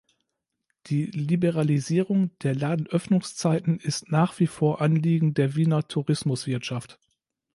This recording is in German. Die Liberalisierung der Ladenöffnungszeiten ist nach wie vor Anliegen der Wiener Tourismuswirtschaft.